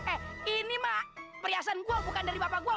eh ini mah perhiasan gue bukan dari bapak gue